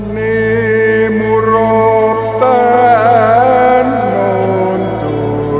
nyi iroh cepat tolong putri aku